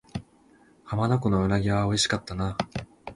浜名湖の鰻は美味しかったな